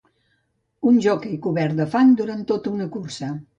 Un joquei cobert de fang durant una cursa.